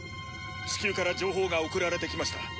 地球から情報が送られてきました。